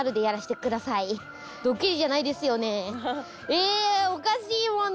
ええおかしいもん。